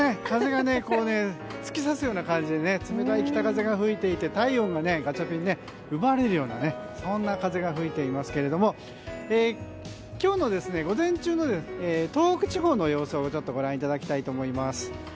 風が突き刺すような感じでね冷たい北風が吹いていて、体温も奪われるような風が吹いていますけれども今日の午前中の東北地方の様子をご覧いただきたいと思います。